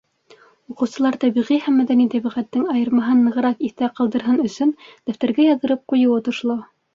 Уҡыусылар тәбиғи һәм мәҙәни тәбиғәттең айырмаһын нығыраҡ иҫтә ҡалдырһын өсөн дәфтәргә яҙҙырып ҡуйыу отошло.